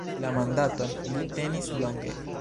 La mandaton li tenis longe.